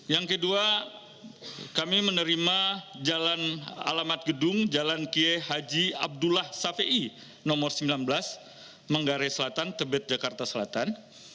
yang kedua kami menerima alamat gedung jalan kie haji abdullah safei nomor sembilan belas menggare selatan tebet jakarta selatan